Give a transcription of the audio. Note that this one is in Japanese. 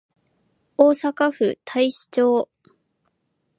大阪府太子町